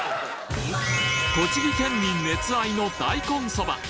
栃木県民熱愛の大根そば